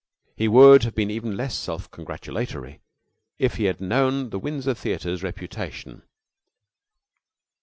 He would have been even less self congratulatory if he had known the Windsor Theater's reputation.